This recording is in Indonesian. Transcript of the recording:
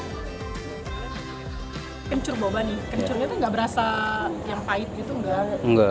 kencurnya itu enggak berasa yang pahit gitu enggak